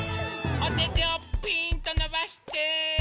おててをピーンとのばして！